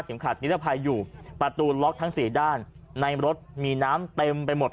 เข็มขัดนิพาพรอยู่ประตูล็อกทั้ง๔ด้านในรถมีน้ำเต็มไปหมด